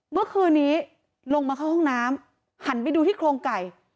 เมื่อคืนนี้ลงมาเข้าห้องน้ำหันไปดูที่โครงไก่